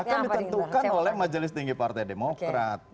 akan ditentukan oleh majelis tinggi partai demokrat